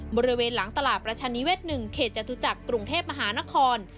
บริเวณหลังตลาดประชานิเวศ๑เขตจตุจักรกรุงเทพมหานคร